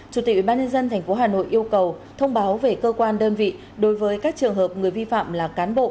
chủ tịch ubnd tp hà nội yêu cầu thông báo về cơ quan đơn vị đối với các trường hợp người vi phạm là cán bộ